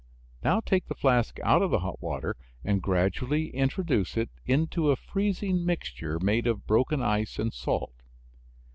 Now take the flask out of the hot water and gradually introduce it into a freezing mixture made of broken ice and salt.